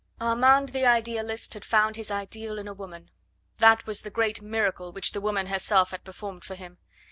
Armand the idealist had found his ideal in a woman. That was the great miracle which the woman herself had performed for him.